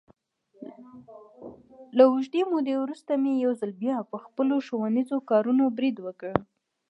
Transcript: له اوږدې مودې ورسته مې یو ځل بیا، په خپلو ښوونیزو کارونو برید وکړ.